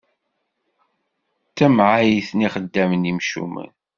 D tamɛayt n ixeddamen imcumen.